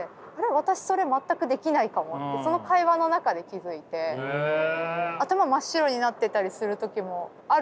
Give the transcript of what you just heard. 私それ全くできないかもってその会話の中で気付いて頭真っ白になってたりする時もあるなと思って。